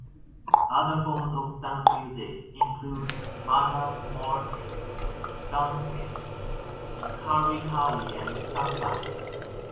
Other forms of dance music include matamuerte, gunchei, charikawi and sambai.